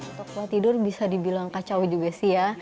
untuk tidur bisa dibilang kacau juga sih ya